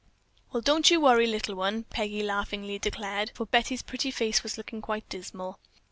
"Well, don't you worry, little one," Peggy laughingly declared, for Betty's pretty face was looking quite dismal.